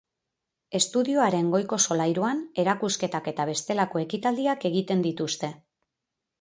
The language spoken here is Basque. Estudioaren goiko solairuan, erakusketak eta bestelako ekitaldiak egiten dituzte.